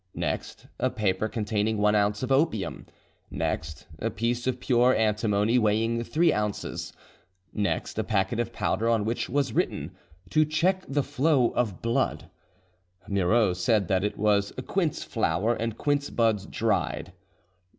"Next, a paper containing one ounce of opium. "Next, a piece of pure antimony weighing three ounces. "Next, a packet of powder on which was written: 'To check the flow of blood.' Moreau said that it was quince flower and quince buds dried.